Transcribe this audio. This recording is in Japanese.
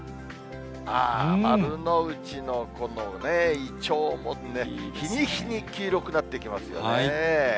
ああ、丸の内のこのいちょうもね、日に日に黄色くなってきますよね。